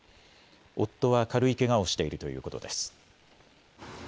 夫は軽いけがをしているということです。